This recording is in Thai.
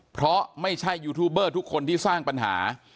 เพราะไม่ใช่ยูทูบเบอร์ทุกคนที่สร้างปัญหา